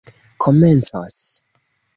komencos